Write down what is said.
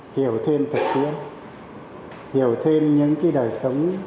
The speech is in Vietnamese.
hiểu thêm thực tiễn hiểu thêm những cái đời sống